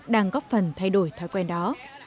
đang góp phần thay đổi thói quen đó